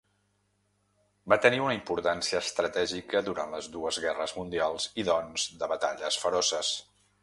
Va tenir una importància estratègica durant les dues guerres mundials i doncs de batalles feroces.